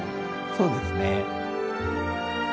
そうですね。